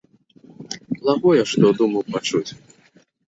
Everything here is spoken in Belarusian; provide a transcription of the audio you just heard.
Благое што думаў пачуць.